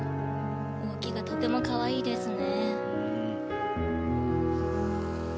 動きがとてもかわいいですね。